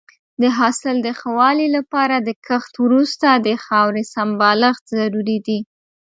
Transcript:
د حاصل د ښه والي لپاره د کښت وروسته د خاورې سمبالښت ضروري دی.